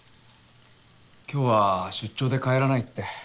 今日は出張で帰らないって。